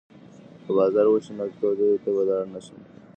که باران وشي نو کلي ته به لاړ نه شو.